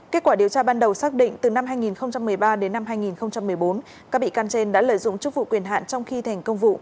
kết quả điều tra ban đầu xác định từ năm hai nghìn một mươi ba đến năm hai nghìn một mươi bốn các bị can trên đã lợi dụng chức vụ quyền hạn